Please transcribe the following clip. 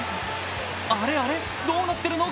あれあれ、どうなってるの？